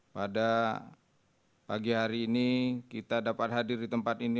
pada pagi hari ini kita dapat hadir di tempat ini